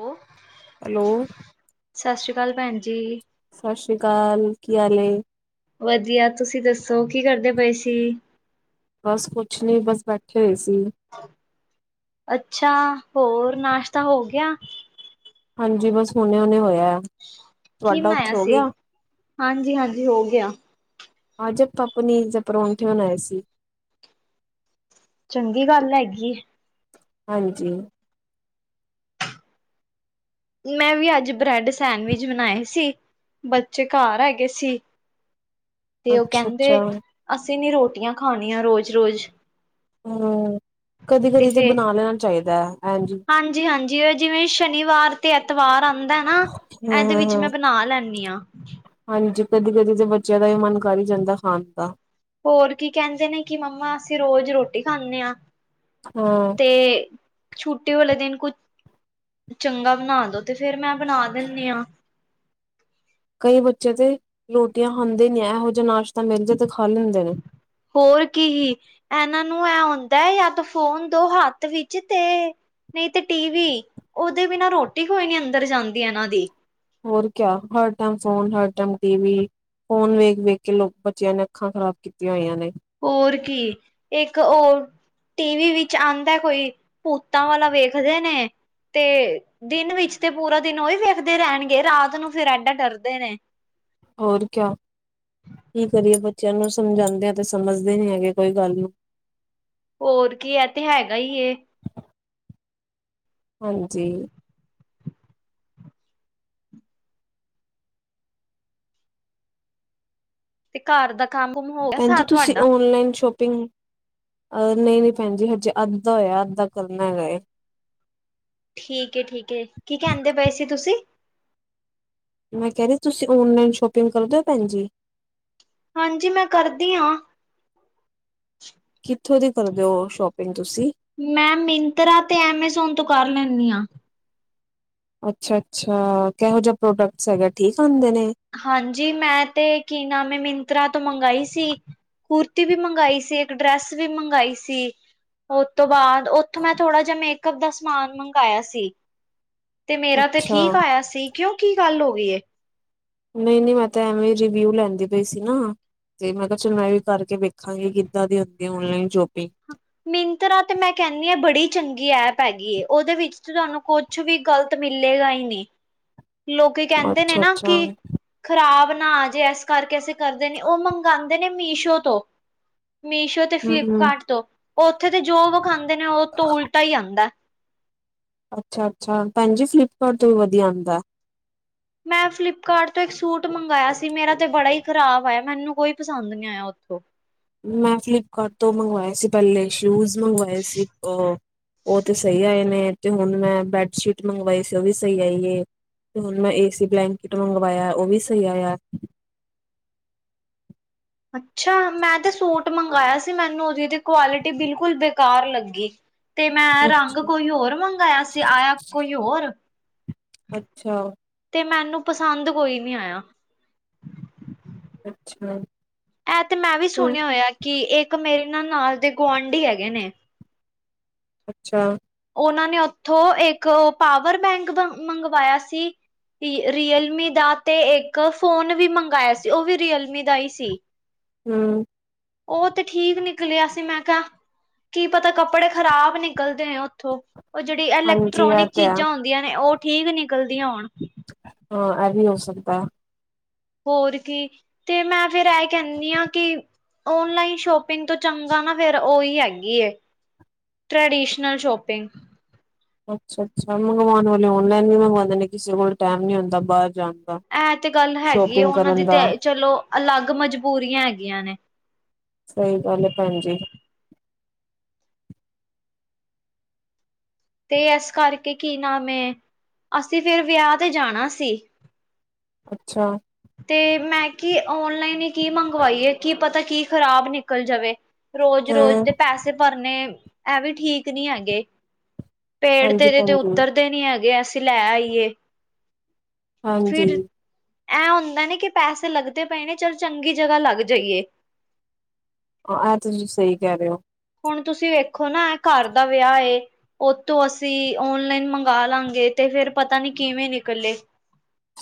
ਓ hello ਸਸਰੀਕਾਲ ਭੈਣ ਜੀ। ਸਸਰੀਕਾਲ ਕੀ ਹਾਲ ਏ। ਵਧੀਆ ਤੁਸੀਂ ਦੱਸੋ ਕੀ ਕਰਦੇ ਪਏ ਸੀ। ਬਸ ਕੁਛ ਨੀ ਬਸ ਬੈਠੇ ਹੋਏ ਸੀ। ਅੱਛਾ ਹੋਰ ਨਾਸ਼ਤਾ ਹੋ ਗਿਆ। ਹਾਂਜੀ ਬਸ ਹੁਣੇੇ-ਹੁਣੇ ਹੋਇਐ। ਕੀ ਬਣਾਇਆ ਸੀ ਹਾਂਜੀ-ਹਾਂਜੀ ਹੋ ਗਿਆ। ਅੱਜ ਆਪਾਂ ਪਨੀਰ ਦੇ ਪਰੌਂਠੇ ਬਣਾਏ ਸੀ। ਚੰਗੀ ਗੱਲ ਹੈਗੀ। ਹਾਂਜੀ ਮੈਂ ਵੀ ਅੱਜ ਬ੍ਰੈਡ ਸੈਂਡਵਿਚ ਬਣਾਏ ਸੀ ਬੱਚੇ ਘਰ ਹੈਗੇ ਸੀ। [inaudible] ਤੇ ਓ ਕੈਂਦੇ ਅੱਛਾ ਅਸੀਂ ਨੀ ਰੋਟੀਆਂ ਖਾਣੀਆਂ ਰੋਜ਼-ਰੋਜ਼ ਹੂੰ ਤੇ ਕਦੀ-ਕਦੀ ਜੇ ਫੇਰ ਬਣਾ ਲੈਣਾ ਚਾਈਦਾ ਐਂਜ ਹਾਂਜੀ ਹਾਂ। ਜਿਵੇਂ-ਜਿਵੇਂ ਸ਼ਨੀਵਾਰ ਤੇ ਐਤਵਾਰ ਆਂਦਾ ਏ ਨਾ ਹਾਂ ਐਦੇ ਹਾਂ ਵਿੱਚ ਹਾਂ ਮੈਂ ਬਣਾ ਲੈਂਨੀ ਆਂ। ਹਾਂਜੀ ਕਦੀ-ਕਦੀ ਤਾਂ ਬੱਚਿਆਂ ਦਾ ਵੀ ਮਨ ਕਰ ਈ ਜਾਂਦਾ ਖਾਣ ਦਾ ਹੋਰ ਕੀ ਕੈਂਦੇ ਨੇ ਕਿ ਮੰਮਾ ਅਸੀਂ ਰੋਜ਼ ਰੋਟੀ ਖਾਂਨੇ ਆਂ। ਹੋ ਤੇ ਛੁੱਟੀ ਵਾਲੇ ਦਿਨ ਕੁ ਚੰਗਾ ਬਣਾ ਦੋ ਤੇ ਫਿਰ ਮੈਂ ਬਣਾ ਦਿੰਨੀ ਆਂ। ਕਈ ਬੱਚੇ ਤੇ ਰੋਟੀਆਂ ਖਾਂਦੇ ਨੀ ਇਹੋ ਜਾ ਨਾਸ਼ਤਾ ਮਿਲ ਜਏ ਤੇ ਖਾ ਲੈਂਦੇ ਨੇ। ਹੋਰ ਕੀ ਹੀ ਇਨਾਂ ਨੂੰ ਐ ਹੁੰਦਾ ਏ ਯਾ ਤੋ ਫੋਨ ਦੋ ਹੱਥ ਵਿੱਚ ਤੇ ਨਈ ਤੇ ਟੀ ਵੀ ਉਹਦੇ ਬਿਨਾਂ ਰੋਟੀ ਕੋਈ ਨੀ ਅੰਦਰ ਜਾਂਦੀ ਇਨਾਂ ਦੇ। ਹੋਰ ਕਿਆ ਹਰ ਟੈਮ ਫੋਨ ਹਰ ਟੈਮ ਟੀਵੀ। ਫ਼ੋਨ ਵੇਖ-ਵੇਖ ਕੇ ਲੋਕ ਬੱਚਿਆਂ ਨੇ ਅੱਖਾਂ ਖ਼ਰਾਬ ਕੀਤੀਆਂ ਹੋਈਆਂ ਨੇ। ਹੋਰ ਕੀ, ਇੱਕ ਔਰ ਟੀਵੀ ਵਿੱਚ ਆਂਦਾ ਕੋਈ ਭੂਤਾਂ ਵਾਲਾ ਵੇਖਦੇ ਨੇ। ਤੇ ਦਿਨ ਵਿੱਚ ਤੇ ਪੂਰਾ ਦਿਨ ਉਹੀ ਵੇਖਦੇ ਰਹਿਣਗੇ ਰਾਤ ਨੂੰ ਫੇਰ ਐਡਾ ਡਰਦੇ ਨੇ। ਹੋਰ ਕਿਆ, ਕੀ ਕਰੀਏ ਬੱਚਿਆਂ ਨੂੰ ਸਮਝਾਂਦੇ ਆ ਤੇ ਸਮਝਦੇ ਨੀ ਹੈਗੇ ਕੋਈ ਗੱਲ ਨੂੰ। ਹੋਰ ਕੀ, ਐ ਤਾਂ ਹੈਗਾ ਈ ਏ। ਹਾਂਜੀ। ਤੇ ਘਰ ਦਾ ਕੰਮ-ਕੁੰਮ ਹੋ। ਗਿਆ ਭੈਣ ਸਾਰਾ ਜੀ ਤੁਸੀਂ ਤੁਹਾਡਾ ਓਨਲਾਈਨ ਸ਼ੋਪਿੰਗ ਅਹ ਨਈ-ਨਈ ਭੈਣ ਜੀ ਹਜੇ ਅੱਧਾ ਹੋਇਆ ਅੱਧਾ ਕਰਨਾ ਵੇ ਏ। ਠੀਕ ਏ- ਠੀਕ ਏ ਕੀ ਕੈਂਦੇ ਪਏ ਸੀ ਤੁਸੀਂ? ਮੈਂ ਕਹਿ ਰਹੀ ਤੁਸੀਂ ਔਨਲਾਈਨ ਸ਼ੋਪਿੰਗ ਕਰਦੇ ਹੋ ਭੈਣ ਜੀ? ਹਾਂਜੀ ਮੈਂ ਕਰਦੀ ਆਂ। ਕਿੱਥੋਂ ਦੀ ਕਰਦੇ ਓ ਸੌਪਿੰਗ ਤੁਸੀਂ? ਮੈਂ ਮਿੰਤਰਾ ਤੇ ਐਮਾਜ਼ੋਨ ਤੋਂ ਕਰ ਲੈਂਨੀ ਆਂ। ਅੱਛਾ- ਅੱਛਾ ਕਿਹੋ ਜਿਹਾ ਪ੍ਰੋਡਕਟਸ ਹੈਗੇ ਠੀਕ ਆਂਦੇ ਨੇਂ? ਹਾਂਜੀ ਮੈਂ ਤੇ ਕੀ ਨਾਮ ਏ ਮਿੰਤਰਾ ਤੋਂ ਮੰਗਾਈ ਸੀ। ਕੁੁਰਤੀ ਵੀ ਮੰਗਾਈ ਸੀ। ਇੱਕ ਡਰੈਸ ਵੀ ਮੰਗਾਈ ਸੀ। ਉਸ ਤੋਂ ਬਾਅਦ ਉੱਥੋਂ ਮੈਂ ਥੋੜਾ ਜਿਹਾ ਮੇਕਅਪ ਦਾ ਸਮਾਨ ਮੰਗਾਇਆ ਸੀ। 'ਤੇ ਮੇਰਾ ਤੇ ਅੱਛਾ ਠੀਕ ਆਇਆ ਸੀ, ਕਿਉਂ ਕੀ ਗੱਲ ਹੋ ਗਈ ਏ? ਨਹੀਂ-ਨਹੀਂ ਮੈਂ ਤਾਂ ਐਵੇਂ ਰਿਵਿਊ ਲੈਂਦੀ ਪਈ ਸੀ ਨਾ। 'ਤੇ ਮੈਂ ਕਿਹਾ ਚਲੋ ਮੈਂ ਵੀ ਕਰਕੇ ਵੇਖਾਂਗੀ ਕਿੱਦਾਂ ਦੀ ਹੁੰਦੀ ਔਨਲਾਈਨ ਸ਼ੋਪਿੰਗ। ਮਿੰਤਰਾ ਤੇ ਮੈਂ ਕਹਿੰਦੀ ਹ ਬੜੀ ਚੰਗੀ ਐਪ ਹੈਗੀ ਉਹਦੇ ਵਿੱਚ ਤੇ ਤੁਹਾਨੂੰ ਕੁ ਕੁਛ ਵੀ ਗ਼ਲਤ ਮਿਲੇਗਾ ਹੀ ਨਹੀਂ, ਲੋਕੀ ਕਹਿੰਦੇ ਨੇ ਨਾ ਅੱਛਾ-ਅੱਛਾ। ਕਿ ਖ਼ਰਾਬ ਨਾ ਆ ਜੇ ਇਸ ਕਰਕੇ ਅਸੀਂ ਕਰਦੇ ਨੀ ਉਹ ਮੰਗਾਂਦੇ ਨੇ ਮੀਸ਼ੋ ਤੋਂ। ਮੀਸ਼ੋ ਤੇ ਹੂੰ ਫਲਿੱਪਕਾਰਟ ਤੋਂ ਉੱਥੇ ਤੇ ਜੋ ਵਖਾਂਦੇ ਨੇ ਉਹ ਤੋਂ ਉਲਟਾ ਹੀ ਆਉਂਦਾ। ਅੱਛਾ-ਅੱਛਾ, ਭੈਣ ਜੀ ਫਲਿੱਪਕਾਰਟ ਤੋਂ ਵੀ ਵਧੀਆ ਆਂਦਾ ਏ। ਮੈਂ ਫਲਿਪਕਾਰਟ ਤੋਂ ਇੱਕ ਸੂਟ ਮੰਗਵਿਆ ਸੀ, ਮੇਰਾ ਤੇ ਬੜਾ ਹੀ ਖ਼ਰਾਬ ਆਇਆ ਮੈਨੂੰ ਕੋਈ ਪਸੰਦ ਨਹੀਂ ਆਇਆ ਉੱਥੋਂ। ਮੈਂ ਫਲਿਪਕਾਰਟ ਤੋਂ ਮੰਗਵਾਇਆ ਸੀ ਪਹਿਲੇ। ਸ਼ੂਜ ਮੰਗਵਾਏ ਸੀ ਉਹ, ਉਹ ਤੇ ਸਹੀ ਆਏ। ਨੇ ਤੇ ਹੁਣ ਮੈਂ ਬੈਡਸ਼ੀਟ ਮੰਗਵਾਈ ਸੀ ਉਹ ਵੀ ਸਹੀ ਆਈ ਏ। ਤੇ ਹੁਣ ਮੈਂ ਏਸੀ ਬਲੈਂਕਿਟ ਮੰਗਵਾਇਆ ਉਹ ਵੀ ਸਹੀ ਆਇਆ। ਅੱਛਾ, ਮੈਂ ਤੇ ਸੂਟ ਮੰਗਵਾਇਆ ਸੀ ਮੈਨੂੰ ਉਹਦੀ ਦੀ ਕੁਆਲਿਟੀ ਬਿਲਕੁਲ ਬੇਕਾਰ ਲੱਗੀ। ਤੇ ਮੈਂ ਰੰਗ ਕੋਈ ਹੋਰ ਮੰਗਾਇਆ ਸੀ ਆਇਆ ਕੋਈ ਹੋਰ। ਅੱਛਾ। ਤੇ ਮੈਨੂੰ ਪਸੰਦ ਕੋਈ ਨੀ ਆਇਆ। ਅੱਛਾ। ਐ ਤੇ ਮੈਂ ਵੀ ਸੁਣਿਆ ਹੋਇਆ ਕਿ ਇੱਕ ਮੇਰੇ ਨਾ ਨਾਲ ਦੇ ਗੁਆਂਢੀ ਹੈਗੇ ਨੇ। ਅੱਛਾ। ਉਹਨਾਂ ਨੇ ਉੱਥੋਂ ਇੱਕ ਪਾਵਰ ਬੈਂਕ ਮੰਗਵਾਇਆ ਸੀ। ਰੀਅਲਮੀ ਦਾ ਤੇ ਇੱਕ ਫੋਨ ਵੀ ਮੰਗਾਇਆ ਸੀ, ਉਹ ਵੀ ਰੀਅਲਮੀ ਦਾ ਹੀ ਸੀ। ਹਮ। ਉਹ ਤੇ ਠੀਕ ਨਿਕਲਿਆ ਸੀ ਮੈਂ ਕਿਆ। ਕੀ ਪਤਾ ਕੱਪੜੇ ਖ਼ਰਾਬ ਨਿਕਲਦੇ ਐ ਓ ਉਥੋਂ, ਉਹ ਜਿਹੜੀ ਹਾਂਜੀ ਇਹ ਇਲੈਕਟ੍ਰੋਨਿਕ ਤੇ ਹੈ ਚੀਜ਼ਾਂ ਹੁੰਦੀਆਂ ਨੇ ਉਹ ਠੀਕ ਨਿਕਲਦੀਆਂ ਹੋਣ। ਹਾਂ, ਐ ਵੀ ਹੋ ਸਕਤਾ। ਹੋਰ ਕੀ ਤੇ ਮੈਂ ਫਿਰ ਐ ਕਹਿਨੀ ਆ ਕਿ ਔਨਲਾਈਨ ਸ਼ੋਪਿੰਗ ਤੋਂ ਚੰਗਾ ਨਾ ਫਿਰ ਉਹੀ ਹੈਗੀ ਏ ਟ੍ਰੈਡੀਸ਼ਨਲ ਸ਼ੋਪਿੰਗ। ਅੱਛਾ-ਅੱਛਾ ਮੰਗਵਾਉਣ ਵਾਲੇ ਔਨਲਾਈਨ ਵੀ ਮੰਗਵਾਉਂਦੇ ਨੇ ਕਿਸੇ ਕੋਲ ਟਾਈਮ ਨੀ ਹੁੰਦਾ ਬਾਹਰ ਜਾਣ। ਦਾ। ਐ ਤੇ ਗੱਲ ਹੈਗੀ ਐ, ਸ਼ੋਪਿੰਗ ਉਹਨਾਂ ਦੀ ਕਰਨ ਦਾ ਤੇ ਚਲੋ ਅਲੱਗ ਮਜਬੂਰੀਆਂ ਹੈਗੀਆਂ ਨੇ। ਸਹੀ ਗੱਲ ਐ ਭੈਣ ਜੀ। ਤੇ ਇਸ ਕਰਕੇ ਕੀ ਨਾਮ ਐ, ਅਸੀਂ ਫਿਰ ਵਿਆਹ ਤੇ ਜਾਣਾ ਸੀ। ਅੱਛਾ। ਤੇ ਮੈਂ ਕੀ ਓਨਲਾਈਨ ਈ ਕੀ ਮੰਗਵਾਈਏ ਕੀ ਪਤਾ ਕੀ ਖ਼ਰਾਬ ਨਿਕਲ ਜਾਵੇ, ਰੋਜ਼-ਰੋਜ਼ ਦੇ ਹੂੰ ਪੈਸੇ ਭਰਨੇ ਇਹ ਵੀ ਠੀਕ ਨਹੀਂ ਹੈਗੇ। [inaudible] ਪੇੜ 'ਤੇ ਇਹਦੇ 'ਤੇ ਭੈਣ ਜੀ ਉੱਤਰਦੇ ਨੀ ਹੈਗੇ, ਅਸੀਂ ਲੈ ਆਈਏ। ਹਾਂਜੀ। ਫਿਰ ਐ ਹੁੰਦਾ ਨੇ ਕਿ ਪੈਸੇ ਲੱਗਦੇ ਪਏ ਨੇ ਚੱਲ ਚੰਗੀ ਜਗ੍ਹਾ ਲੱਗ ਜਾਈਏ। ਆਹ ਤੁਸੀਂ ਸਹੀ ਕਹਿ ਰਹੇ ਹੋ। ਹੁਣ ਤੁਸੀਂ ਵੇਖੋ ਨਾ ਘਰ ਦਾ ਵਿਆਹ ਏ ਉਹ ਤੋਂ ਅਸੀਂ ਓਨਲਾਈਨ ਮੰਗਾਲਾਂਗੇ ਤੇ ਫਿਰ ਪਤਾ ਨੀ ਕਿਵੇਂ ਨਿਕਲੇ।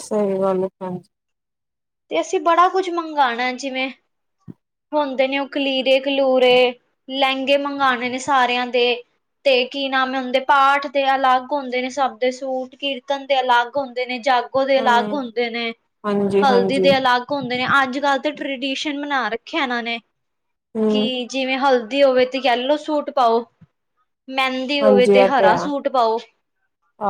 ਸਹੀ ਗੱਲ ਏ ਭੈਣ ਜੀ। ਤੇ ਅਸੀਂ ਬੜਾ ਕੁਝ ਮੰਗਾਂਣਾ ਜਿਵੇਂ ਹੁੰਦੇ ਨੇ ਉਹ ਕਲੀਰੇ-ਕਲੂਰੇ ਲਹਿੰਗੇ ਮੰਗਾਣੇ ਨੇ ਸਾਰਿਆਂ ਦੇ। ਤੇ ਕੀ ਨਾਮ ਹੁੰਦੇ ਪਾਠ ਦੇ ਅਲੱਗ ਹੁੰਦੇ ਨੇ ਸਭ ਦੇ ਸੂਟ, ਕੀਰਤਨ ਦੇ ਅਲੱਗ ਲ ਹੁੰਦੇ ਨੇ, ਜਾਗੋ ਦੇ ਅਲੱਗ ਹੂੰ ਹੁੰਦੇ ਨੇ। ਹਲਦੀ ਹਾਂਜੀ-ਹਾਂਜੀ ਦੇ ਅਲੱਗ ਹੁੰਦੇ ਨੇ ਅੱਜ- ਕੱਲ੍ਹ ਤਾਂ ਟਰਡੀਸ਼ਨ ਮਨਾ ਰੱਖਿਆ ਇਹਨਾਂ ਨੇ ਹੂੰ ਕਿ ਜਿਵੇਂ ਹਲਦੀ ਹੋਵੇ ਤੇ ਯੈਲੋ ਸੂਟ ਪਾਓ ਮਹਿੰਦੀ ਹੋਵੇ ਹਾਂਜੀ ਤੇ ਇਹ ਹਰਾ ਹੈ ਸੂਟ ਪਾਓ।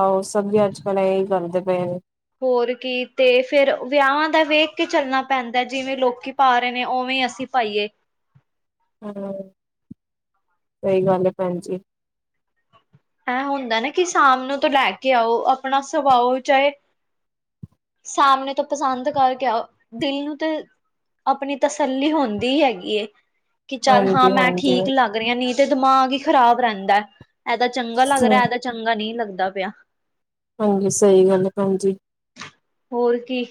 ਆਹੋ ਸਭ ਵੀ ਅੱਜ- ਕੱਲ੍ਹ ਇਹਹੀ ਕਰਦੇ ਪਏ ਨੇ। ਹੋਰ ਕੀ ਤੇ ਫਿਰ ਵਿਆਹਾਂ ਦਾ ਵੇਖ ਕੇ ਚੱਲਣਾ ਪੈਂਦਾ ਜਿਵੇਂ ਲੋਕੀ ਪਾ ਰਹੇ ਨੇ, ਉਵੇਂ ਅਸੀਂ ਪਾਈਏ। ਹੂੰ, ਸਹੀ ਗੱਲ ਐ ਭੈਣ ਜੀ। ਐ ਹੁੰਦਾ ਨਾ ਕਿ ਸ਼ਾਮ ਨੂੰ ਤਾਂ ਲੈ ਕੇ ਆਓ, ਆਪਣਾ ਸੁਵਾਓ ਚਾਹੇ ਸਾਹਮਣੇ ਤੋਂ ਪਸੰਦ ਕਰਕੇ ਆਉ, ਦਿਲ ਨੂੰ ਤੇ ਆਪਣੀ ਤਸੱਲੀ ਹੁੰਦੀ ਹੈਗੀ ਏ ਕੀ ਚੱਲ ਹਾਂ ਮੈਂ ਹਾਂਜੀ-ਹਾਂਜੀ ਠੀਕ ਲੱਗ ਰਿਆ ਤੇ ਨਈ ਤੇ ਦਿਮਾਗ ਈ ਖ਼ਰਾਬ ਰਹਿੰਦਾ, ਇਦਾ ਚੰਗਾ ਲੱਗ ਹਾਂਜੀ ਰਿਹਾ, ਐਦਾ ਚੰਗਾ ਨਹੀਂ ਲੱਗਦਾ ਪਿਆ। ਹਾਂਜੀ ਸਹੀ ਗੱਲ ਐ ਭੈਣਜੀ। ਹੋਰ ਕੀ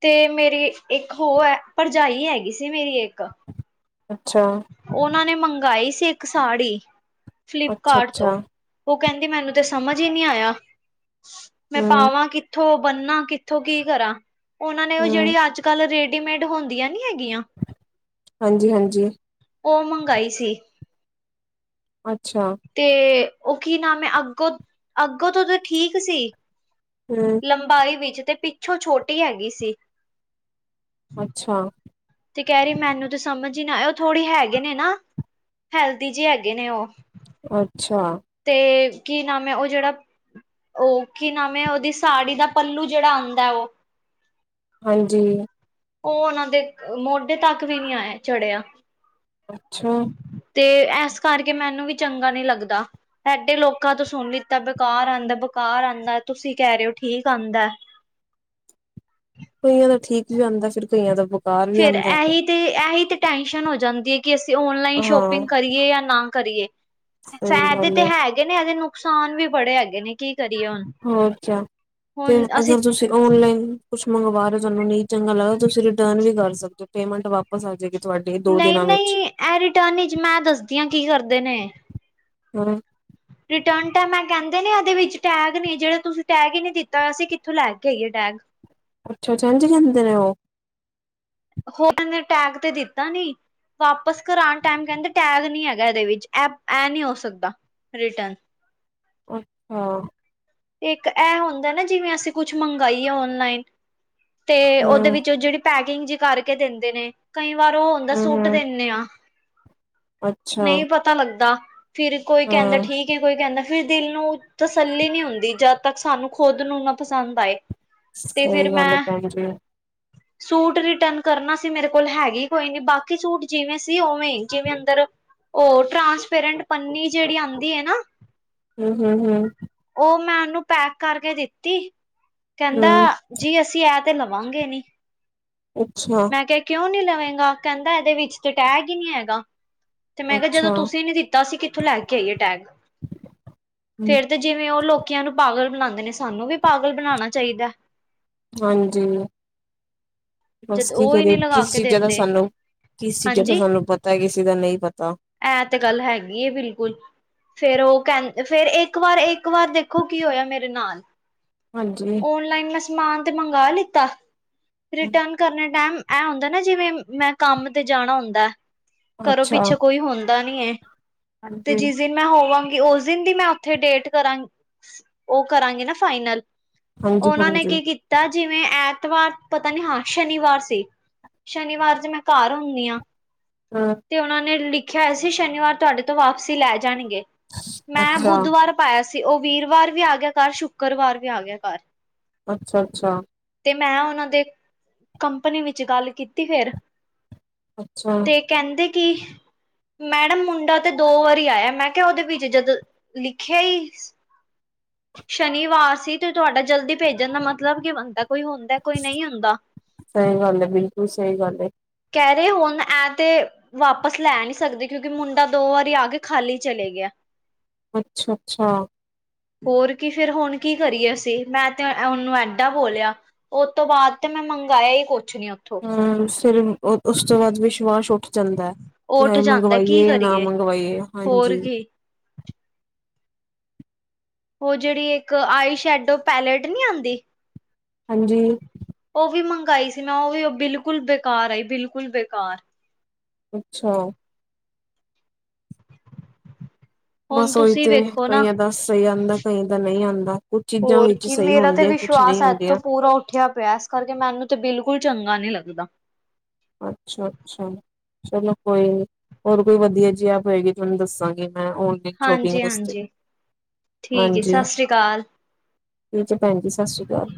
ਤੇ ਮੇਰੀ ਇੱਕ ਹੋ ਹੈ ਭਰਜਾਈ ਹੈਗੀ ਸੀ ਮੇਰੀ ਇੱਕ ਅੱਛਾ ਉਹਨਾਂ ਨੇ ਮੰਗਾਈ ਸੀ ਇੱਕ ਸਾੜੀ ਫਲਿੱਪਕਾਟ ਤੋਂ ਅੱਛਾ-ਅੱਛਾ ਉਹ ਕਹਿੰਦੀ ਮੈਨੂੰ ਤੇ ਸਮਝ ਈ ਨਹੀਂ ਆਇਆ, ਮੈਂ ਪਾਵਾਂ ਕਿ ਕਿੱਥੋਂ ਬੰਨਾ ਕਿੱਥੋਂ ਕੀ ਕਰ ਉਨਾਂ ਨੇ ਔਹੀ ਜਿਹੜੀ ਹੂੰ-ਹੂੰ ਅੱਜ ਕੱਲ੍ਹ ਰੇ ਰੀਮੇਂਡ ਹੁੰਦੀਆਂ ਨੀ ਹੈਗੀਆਂ। ਹਂਜੀ, ਹਂਜੀ। ਔਹ ਮੰਗਾਈ ਸੀ। ਅੱਛਾ। ਤੇ ਔਹ ਕੀ ਨਾਮ ਏ ਅੱਗੋ ਅੱਗੋਂ ਤੋ ਤੇ ਠੀਕ ਸੀ। ਹੂੰ। ਲੰਬਾਈ ਵਿੱਚ ਤੇ ਪਿੱਛੋਂ ਛੋਟੀ ਹੈਗੀ ਸੀ। ਅੱਛਾ। ਤੇ ਕਹਿ ਰਹੀ ਮੈਨੂੰ ਤੇ ਸਮਝ ਹੀ ਨਾ ਆਏ। ਔਹ ਥੋੜੀ ਹੈਗੇ ਨੇ ਨਾ ਹੈਲਦੀ ਜਿ ਹੈਗੇ ਨੇ ਔਹ ਅੱਛਾ। ਤੇ ਕੀ ਨਾਮ ਏ ਔਹ ਜਿਹੜਾ ਔਹ ਕੀ ਨਾਮ ਔਦੀ ਸਾੜੀ ਦਾ ਪੱਲੂ ਜਿਹੜਾ ਆਂਦਾ ਔਹ ਹਂਜੀ। ਔਹ ਉਨਾਂ ਦੇ ਮੋਢੇ ਤੱਕ ਵੀ ਨਹੀਂ ਆਏ ਚੜਿਆ। ਅੱਛਾ। ਤੇ ਐਸ ਕਰਕੇ ਮੈਨੂੰ ਵੀ ਚੰਗਾ ਨੀ ਲੱਗਦਾ। ਇਡੇ ਲੋਕਾਂ ਤੋਂ ਸੁਨ ਲਿੱਤਾ ਬੇਕਾਰ ਆਂਦਾ ਬੇਕਾਰ ਆਂਦਾ ਤੁਸੀਂ ਕਹਿ ਰਹੇ ਹੋ ਠੀਕ ਆਂਦਾ। ਕਈਆਂ ਦਾ ਠੀਕ ਵੀ ਆਂਦਾ ਫਿਰ ਕਈਆਂ ਦਾ ਬੇਕਾਰ। ਵੀ ਫਰ ਆਂਦਾ ਹੈਗਾ ਐਹੀ ਤੇ ਐਹੀ ਤੇ ਟੈਸ਼ਨ ਹੋ ਜੈਂਦੀ ਏਕਿ ਅਸੀਂ ਔਨਲਾਈਨ ਹਾਂ ਸ਼ੋਪਿੰਗ ਕਰੀਏ ਜਾਂ ਨਾ ਕਰੀਏ। ਸਹੀ ਫਾਇਦੇ ਗੱਲ ਤੇ ਏ ਹੈਗੇ ਨੇ। ਇਹਦੇ ਨੁਕਸਾਨ ਵੀ ਬੜੇ ਹੈਗੇ ਨੇ ਕੀ ਕਰੀਏ ਹੁਨ ਹੋਰ ਕਿਆ ਤੇ ਅਗਰ ਤੁਸੀਂ ਔਨਲਾਈਨ ਕੁਛ ਮੰਗਵਾ ਰਹੇ ਤੁਹਾਨੂੰ ਨਹੀਂ ਚੰਗਾ ਲੱਗਦਾ। ਤੁਸੀਂ ਰਿਟਰਨ ਵੀ ਕਰ ਸਕਦੇ ਹੋ। ਪੇਮੈਂਟ ਵਾਪਸ ਬਸ ਆ ਜਾਏਗੀ। ਤੁਹਾਡੇ ਨਹੀਂ, ਨਹੀਂ ਇਹ ਰਿਟਰਨ ਚ ਮੈਂ ਦੱਸਦੀ ਹਾਂ ਕੀ ਕਰਦੇ ਨੇ ਸੋਰੇ। ਰਿਟਰਨ ਟੈਮ ਅਹ ਕੈਂਦੇਨੇ ਟੈਗ ਨੀ ਜਿਹੜਾ ਤੁਸੀਂ ਟੈਗ ਹੀ ਨਹੀਂ ਦਿੱਤਾ ਅਸੀਂ ਕਿੱਥੋਂ ਲੈ ਕੇ ਆਈਏ ਟੈਗ ਅੱਛਾ, ਅੱਛਾ ਇੰਝ ਕੈਂਦੇ ਨੇ ਔਹ ਔ ਕੈਂਦੇ ਨੇ ਟੈਗ ਤੇ ਦਿੱਤਾ ਨੀ। ਵਾਪਿਸ ਕਰਾਨ ਟਾਈਮ ਕਹਿੰਦੇ ਟੈਗ ਨਹੀ ਹੈਗਾ ਏਹਦੇ ਵਿੱਚ ਐਹ ਐ ਨੀ ਹੋ ਸਕਦਾ ਰਿਟਰਨ। ਅੱਛਾ। ਤੇ ਇੱਕ ਐਹ ਹੁੰਦਾ ਨਾ ਜਿਵੇਂ ਅਸੀਂ ਕੁਛ ਮੰਗਾਈ ਏ ਔਨਲਾਈਨ। ਤੇ ਔਦੇ ਹੂੰ ਵਿੱਚ ਜਿਹੜੀ ਪੈਕਿੰਗ ਜੀ ਕਰਕੇ ਦਿੰਦੇ ਨੇ ਕਈ ਵਾਰ ਉਹ ਹੁੰਦਾ ਹੂੰ ਸੂਟ ਹੂੰ ਦਿੰਨੇ ਆ ਅੱਛਾ ਨਹੀਂ ਪਤਾ ਲੱਗਦਾ। ਫਿਰ ਕੋਈ ਕਹਿੰਦਾ ਹਾਂ ਠੀਕ ਹੈ ਕੋਈ ਕਹਿੰਦਾ ਫਿਰ ਦਿਲ ਨੂੰ ਤਸੱਲੀ ਨਹੀਂ ਹੁੰਦੀ। ਤੇ ਜਦ ਤੱਕ ਸਾਨੂੰ ਖੁਦ ਨੂੰ ਨਾ ਪਸੰਦ ਆਏ ਤੇ ਸਹੀ ਫਿਰ ਗੱਲ ਏ ਮੈਂ ਭੈਣ ਜੀ ਸੂਟ ਰਿਟਰਨ ਕਰਨਾ ਸੀ। ਮੇਰੇ ਕੋਲ ਹੈਗੀ ਕੋਈ ਨੀ ਬਾਕੀ ਸੂਟ ਜਿਵੇਂ ਸੀ ਉਵੇਂ ਜਿਵੇਂ ਅੰਦਰ ਔਹ ਟ੍ਰਾਂਸਪੇਰੈਂਟ ਪੰਨੀ ਜੇੜੀ ਆਂਦੀ ਐ ਨਾ। ਹੂੰ- ਹੂੰ -ਹੂੰ। ਔਹ ਮੈਂ ਉਨੂੰ ਪੈਕ ਕਰਕੇ ਦਿੱਤੀ ਕੈਂਦਾ ਹੂੰ ਜੀ ਅਸੀ ਐਹ ਤੇ ਲਵਾਂਗੇ ਨੀ। ਅੱਛਾ। ਮੈਂ ਕਿਹਾ ਕਿਉਂ ਨੀ ਲਵੇਂਗਾ ਕੈਂਦਾ ਇਹਦੇ ਵਿੱਚ ਤੇ ਟੈਗ ਹੀ ਨੀ ਹੈਗਾ। ਤੇ ਮੈਂ ਕਿਹਾ ਜਦੋਂ ਅੱਛਾ ਤੁਸੀਂ ਨੀ ਦਿੱਤਾ ਸੀ। ਕਿੱਥੋਂ ਲੈ ਕੇ ਆਈਏ ਟੈਗ ਹੂੰ ਫੇਰ ਤੇ ਜਿਵੇਂ ਔਹ ਲੋਕੀਆਂ ਨੂੰ ਪਾਗਲ ਬਨਾਦੇ ਨੇ ਸਾਨੂੰ ਵੀ ਪਾਗਲ ਬਨਾਨਾ ਚਾਹੀਦਾ। ਹਂਜੀ, ਬਸ ਜਦ ਕੀ ਉਹ ਹੀ ਕਰੀਏ, ਨਹੀਂ ਲਗਾ ਕਿਸ ਕੇ ਚੀਜ਼ਾਂ ਦਾ ਦਿੰਦੇ ਸਾਨੂੰ ਕਿਸ ਚੀਜ਼ਾਂ ਦਾ ਸਾਨੂੰ ਪਤਾ ਹੈ ਕਿਸੀ ਦਾ ਨਹੀਂ ਪਤਾ। ਐ ਤੇ ਗੱਲ ਹੈਗੀ ਏ ਬਿਲਕੁਲ। ਫੇਰ ਉਹ ਕਹਿੰ ਫੇਰ ਇੱਕ ਵਾਰ ਇੱਕ ਵਾਰ ਦੇਖੋ ਕੀ ਹੋਇਆ ਮੇਰੇ ਨਾਲ ਹਾਂਜੀ ਆੱਨਲਾਈਨ ਮੈਂ ਸਮਾਨ ਤੇ ਮੰਗਾ ਲਿੱਤਾ ਰਿਟਰਨ ਆਪਣੇ ਟਾਈਮ ਇਹ ਹੁੰਦਾ ਨਾ ਜਿਵੇਂ ਮੈਂ ਕੰਮ ਤੇ ਜਾਣਾ ਹੁੰਦਾ, ਕਰੋ ਅੱਛਾ ਪਿੱਛੋ ਕੋਈ ਹੁੰਦਾ ਹੁੰਦਾ ਨੀ ਐ [inaudible] ਤੇ ਹਾਂਜੀ ਚੀਜ ਉਸ ਦਿਨ ਮੈਂ ਹੋਵਾਂਗੀ ਉਸ ਦਿਨ ਦੀ ਮੈਂ ਉੱਥੇ ਡੇਟ ਕਰਾਂਗੀ [unintelligible] ਉਹ ਕਰਾਂਗੀ ਨਾ ਫਾਈਨਲ ਹਾਂਜੀ ਉਹਨਾਂ ਨੇ ਕੀ ਕੀਤਾ ਜਿਵੇਂ ਐਤਵਾਰ ਪਤਾ ਨੀ ਹਾਂ ਸ਼ਨੀਵਾਰ ਸੀ। ਸ਼ਨੀਵਾਰ ਚ ਮੈਂ ਘਰ ਹੁੰਨੀ ਆ। ਹਾਂ [unintelligible] ਤੇ ਉਹਨਾਂ ਨੇ ਲਿਖਿਆ ਹੋਇਆ ਸੀ ਸ਼ਨੀਵਾਰ ਤੁਹਾਡੇ ਤੋਂ ਵਾਪਸੀ ਲੈ ਜਾਣਗੇ [inaudible] ਮੈਂ ਅੱਛਾ ਬੁੱਧਵਾਰ ਪਾਇਆ ਸੀ ਉਹ ਵੀਰਵਾਰ ਵੀ ਆ ਗਿਆ ਘਰ ਸ਼ੁੱਕਰਵਾਰ ਵੀ ਆ ਗਿਆ ਘਰ। ਅੱਛਾ- ਅੱਛਾ ਤੇ ਮੈਂ ਉਹਨਾਂ ਦੇ [inaudible] ਕੰਪਨੀ ਵਿੱਚ ਗੱਲ ਫ਼ਿਰ ਅੱਛਾ। ਤੇ ਕਹਿੰਦੇ ਕੀ ਮੈਡਮ ਮੁੰਡਾ ਤੇ ਦੋ ਵਾਰੀ ਆਇਆ, ਮੈਂ ਕਿਹਾ ਉਹਦੇ ਵਿੱਚ ਜਦ [inaudible] ਲਿਖਿਆ ਸ ਸ਼ਨੀਵਾਰ ਸੀ ਤੇ ਤੁਹਾਡਾ ਜਲਦੀ ਪੇਜਣ ਦਾ ਮਤਲਬ ਕੀ ਬੰਨਦਾ ਕੋਈ ਹੁੰਦਾ। ਕੋਈ ਨਹੀਂ ਹੁੰਦਾ ਸਹੀ ਗੱਲ ਹੈ ਬਿਲਕੁਲ ਸਹੀ ਗੱਲ ਹੈ [inaudible] ਕਹਿ ਰਹੇ ਹੁਣ ਐਂ ਤੇ ਵਾਪਸ ਲੈ ਨੀ ਸਕਦੇ, ਕਿਉਂਕਿ ਮੁੰਡਾ ਦੋ ਵਾਰੀ ਆ ਕੇ ਖਾਲੀ ਚਲਾ ਗਿਆ। ਅੱਛਾ-ਅੱਛਾ ਹੋਰ ਕੀ, ਫਿਰ ਹੁਣ ਕੀ ਕਰੀਏ ਅਸੀਂ, ਮੈਂ ਤੇ ਉਹਨੂੰ ਐਡਾ ਬੋਲਿਆ ਉਹਤ ਤੋਂ ਬਾਅਦ ਤੇ ਮੈਂ ਮੰਗਾਇਆ ਹੀ ਕੁਛ ਨੀ ਉੱਥੋਂ। ਹਾ ਸਰੀ ਉਸ ਤੋਂ ਬਾਅਦ ਵਿਸ਼ਵਾਸ ਉੱਠ ਜਾਂਦਾ। ਉੱਠ ਹੈ ਜਾਂਦਾ ਕੀ ਮੰਗਵਾਈਏ ਯਾਂ ਨਾ ਕਰੀਏ ਮੰਗਵਾਈਏ ਹੋਰ ਹਾਂਜੀ। ਕੀ ਉਹ ਜਿਹੜੀ ਇੱਕ ਆਈ ਸ਼ੈਡੋ ਪੈਲੇਟ ਨੀ ਆਂਦੀ। ਹਾਂਜੀ। ਉਹ ਵੀ ਮੰਗਾਈ ਸੀ ਮੈਂ, ਉਹ ਵੀ ਬਿਲਕੁਲ ਬੇਕਾਰ ਆਈ ਬਿਲਕੁਲ ਬੇਕਾਰ। ਅੱਛਾ! ਹੁਣ ਬਸ ਉਹੀ ਤੁਸੀਂ ਤੇ ਵੇਖੋ ਨਾ ਕਈਆਂ ਦਾ ਸਹੀ ਆਂਦਾ ਕਈ ਦਾ ਨਹੀਂ ਆਂਦਾ ਕੁਝ ਚੀਜ਼ਾਂ ਹੋਰ ਵਿੱਚ ਕੀ ਸਹੀ ਮੇਰਾ ਹੁੰਦੀਆਂ ਕੁਛ ਨਹੀਂ ਵਿਸ਼ਵਾਸ ਹੁੰ ਤੇ ਪੂਰਾ ਉੱਠਿਆ ਪਿਆ ਇਸ ਕਰਕੇ ਮੈਨੂੰ ਤੇ ਬਿਲਕੁਲ ਚੰਗਾ ਨੀ ਲੱਗਦਾ। ਅੱਛਾ -ਅੱਛਾ। ਚਲੋ ਕੋਈ ਨੀ, ਹੋਰ ਕੋਈ ਵਧੀਆ ਜਿ ਐਪ ਆਏਗੀ ਤੁਆਨੂੰ ਦੱਸਾਂਗੀ ਮੈਂ ਇਕ ਚੋਪਿੰਗ ਹਾਂਜੀ ਵਸਤੇ, ਹਾਂਜੀ ਠੀਕ ਹੈ ਹਾਂਜੀ। ਸਤਿ ਸ੍ਰੀ ਅਕਾਲ ਠੀਕ ਹੈ ਭੈਣ ਜੀ, ਸੱਸ ਸ਼੍ਰੀ ਕਾਲ।